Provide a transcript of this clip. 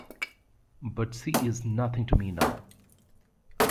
But she is nothing to me now.